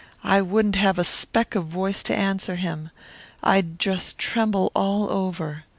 I wouldn't have a speck of voice to answer him. I'd just tremble all over.